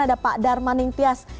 ada pak darmaning tias